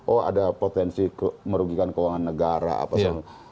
oh ada potensi merugikan keuangan negara apa semuanya